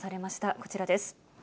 こちらです。